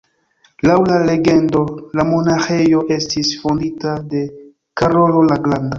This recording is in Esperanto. Laŭ la legendo la monaĥejo estis fondita de Karolo la Granda.